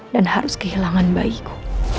dan harus kehilangan bayiku